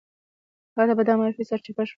هلته به دا معرفي سرچپه شوه.